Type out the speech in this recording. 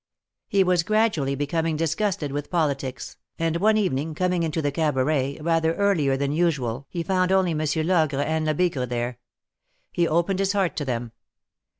He Avas gradually becoming dis gusted Avith politics, and one evening coming into the Cabaret rather earlier than usual he found only Monsieur Logre and Lebigre there. He opened his heart to them.